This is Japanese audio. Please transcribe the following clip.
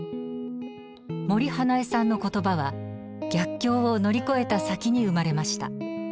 森英恵さんの言葉は逆境を乗り越えた先に生まれました。